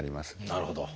なるほど。